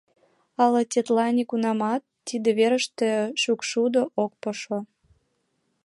Ала тетла нигунамат тиде верыште шӱкшудо ок пошо.